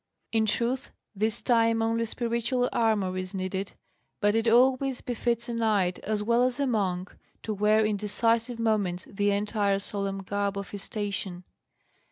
In truth, this time only spiritual armour is needed, but it always befits a knight, as well as a monk, to wear in decisive moments the entire solemn garb of his station.